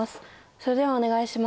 それではお願いします。